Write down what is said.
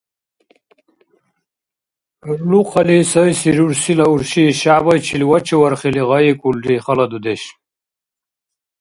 Гӏулухъали сайси рурсила урши Шягӏбайчил вачавархили гъайикӏулри хала дудеш.